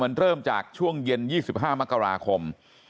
มันเริ่มจากช่วงเย็น๒๕มกราคม